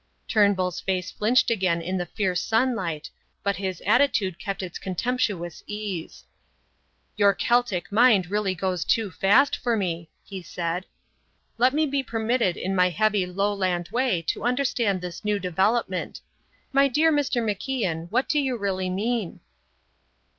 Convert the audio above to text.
Turnbull's face flinched again in the fierce sunlight, but his attitude kept its contemptuous ease. "Your Celtic mind really goes too fast for me," he said; "let me be permitted in my heavy Lowland way to understand this new development. My dear Mr. MacIan, what do you really mean?"